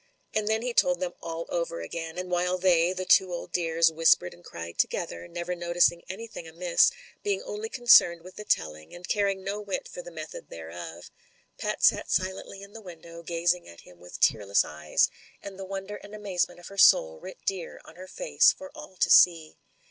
And then he told them all over again; and while they, the two old dears, whispered and cried together, never noticing anything amiss, being only concerned with the telling, and caring no whit for the method thereof, Pat sat silently in the window, gazing at him with tearless eyes, with the wonder and amaze ment of her soul writ dear on her face for all to see.